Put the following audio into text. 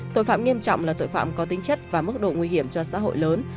tội phạm nghiêm trọng là tội phạm có tính chất và mức độ nguy hiểm cho xã hội lớn